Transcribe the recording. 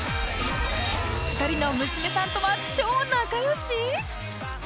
２人の娘さんとは超仲良し？